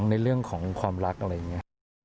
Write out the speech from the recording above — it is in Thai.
ในเรื่องของความรักอะไรอย่างนี้